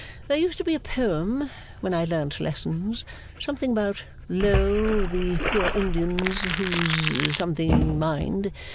There used to be a poem when I learnt lessons, something about Lo the poor Indians whose something mind!